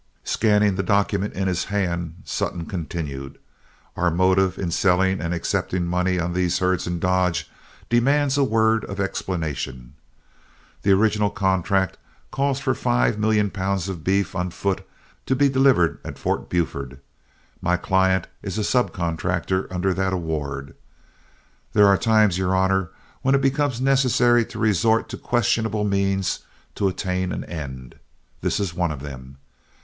Scanning the document in his hand, Sutton continued: "Our motive in selling and accepting money on these herds in Dodge demands a word of explanation. The original contract calls for five million pounds of beef on foot to be delivered at Fort Buford. My client is a sub contractor under that award. There are times, your honor, when it becomes necessary to resort to questionable means to attain an end. This is one of them.